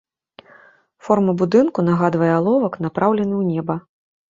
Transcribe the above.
Форма будынку нагадвае аловак напраўлены ў неба.